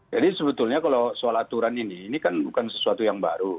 jadi sebetulnya kalau soal aturan ini ini kan bukan sesuatu yang baru